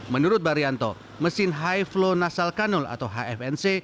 menurut barianto mesin high flow nasal kanul atau hfnc